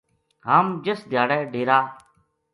ہم جس دھیاڑے ڈیرا